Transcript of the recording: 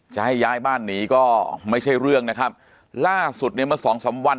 จะให้ย้ายบ้านหนีก็ไม่ใช่เรื่องนะครับล่าสุดเนี่ยเมื่อสองสามวัน